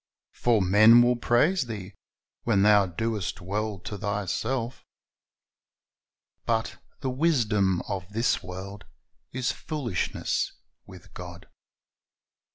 For "men will praise thee, when thou doest well to thyself"^ But "the wisdom of this world is foolishness with God."